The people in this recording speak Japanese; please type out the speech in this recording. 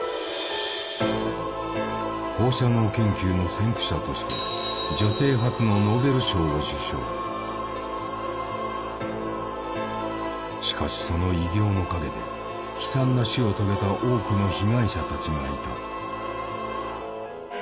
放射能研究の先駆者としてしかしその偉業の陰で悲惨な死を遂げた多くの被害者たちがいた。